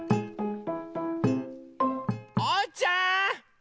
おうちゃん！